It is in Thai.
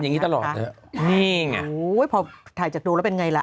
ไม่กลัวยังอยู่ตลอดแล้วนี่งา